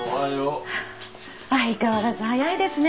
相変わらず早いですね。